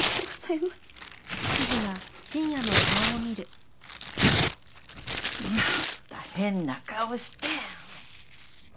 また変な顔して！